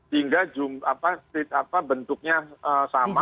hingga bentuknya sama